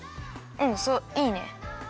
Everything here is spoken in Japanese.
うんそういいね。